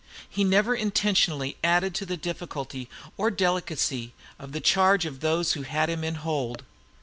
He never intentionally added to the difficulty or delicacy of the charge of those who had him in hold.